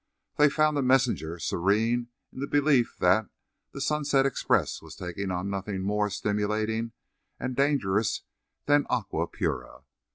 They found the messenger serene in the belief that the "Sunset Express" was taking on nothing more stimulating and dangerous than aqua pura.